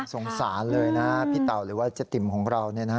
สงสารเลยนะพี่เต่าหรือว่าเจ๊ติ๋มของเรา